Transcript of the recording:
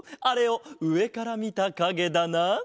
あれをうえからみたかげだな。